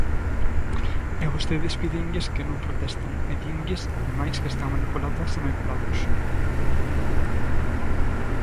E vostedes pídenlles que non protesten, e dinlles, ademais, que están manipuladas e manipulados.